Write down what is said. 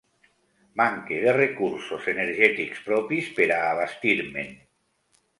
Manque de recursos energètics propis per a abastir-me'n.